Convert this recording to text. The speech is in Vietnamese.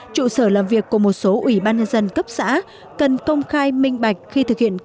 trụ sở làm việc của một số ủy ban nhân dân cấp xã cần công khai minh bạch